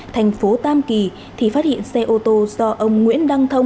thành phố tam kỳ thì phát hiện xe ô tô do ông nguyễn đăng thông